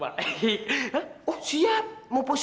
hah lisa darling